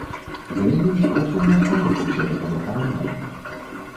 Галілей страшэнна спалохаўся гэтага параўнання.